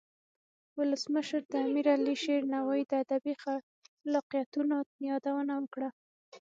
ولسمشر د امیر علي شیر نوایی د ادبی خلاقیتونو یادونه وکړه.